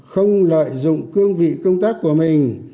không lợi dụng cương vị công tác của mình